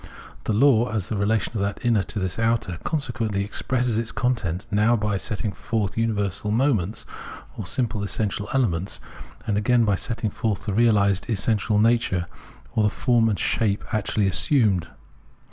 The law, as the relation of that inner to this outer, consequently expresses its content, now by setting forth universal moments, or simple essential elements, and again by setting forth the realised essential nature or the form and shape actually assumed.